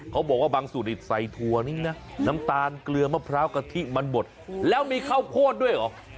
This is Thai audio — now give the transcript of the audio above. เขาบอกว่าบางสูตรใส่ถั่วงนะน้ำตาลเกลือมะพร้าวกะทิมันบดแล้วมีข้าวโพดด้วยเหรอ